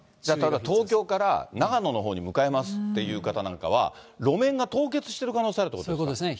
だから東京から、長野のほうに向かいますっていう方なんかは、路面が凍結してる可そういうことですね。